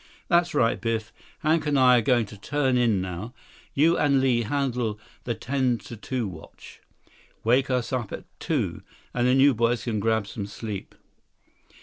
99 "That's right, Biff. Hank and I are going to turn in now. You and Li handle the ten to two watch. Wake us up at two, then you boys can grab some sleep."